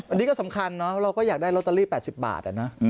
อันนี้ก็สำคัญเนอะเราก็อยากได้ลอตเตอรี่๘๐บาทนะ